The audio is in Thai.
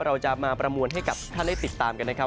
เราจะมาประมวลให้กับทุกท่านได้ติดตามกันนะครับ